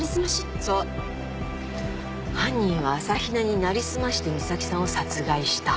そう犯人は朝比奈に成り済まして美咲さんを殺害した。